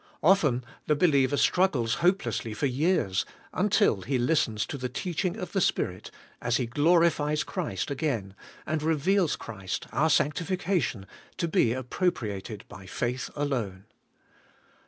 Often the believer struggles hopelessly for years, until he listens to the teaching of the Spirit, as He glorifies Christ again, and reveals Christ, our sanctification, to be appropriated by faith alone.